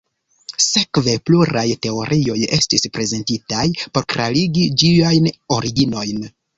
Sekve, pluraj teorioj estis prezentitaj por klarigi ĝiajn originojn.